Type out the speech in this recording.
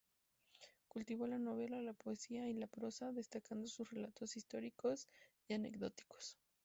Cultivó la novela, la poesía y la prosa, destacando sus relatos históricos y anecdóticos.